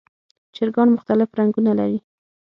چرګان مختلف رنګونه لري.